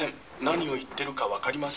何を言ってるか分かりません。